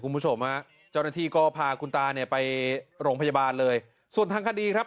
คุณผู้ชมฮะเจ้าหน้าที่ก็พาคุณตาเนี่ยไปโรงพยาบาลเลยส่วนทางคดีครับ